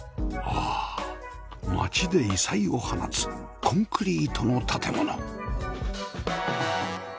ああ街で異彩を放つコンクリートの建物